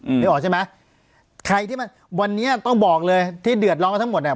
นึกออกใช่ไหมใครที่มันวันนี้ต้องบอกเลยที่เดือดร้อนทั้งหมดเนี้ย